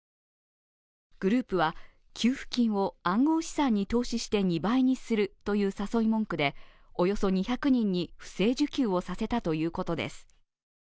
グループは給付金を暗号資産に投資して２倍にするという誘い文句でおよそ２００人に不正受給をさせたということです。